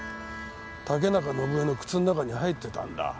竹中伸枝の靴の中に入ってたんだ。